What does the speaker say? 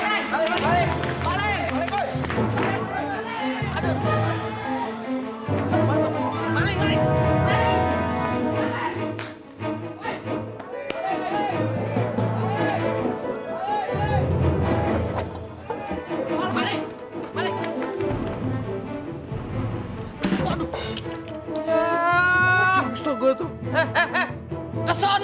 dia ambil pr orang